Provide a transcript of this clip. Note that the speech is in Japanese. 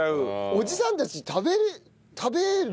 おじさんたち食べれ食べる？